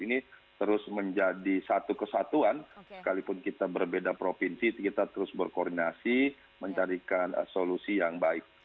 ini terus menjadi satu kesatuan sekalipun kita berbeda provinsi kita terus berkoordinasi mencarikan solusi yang baik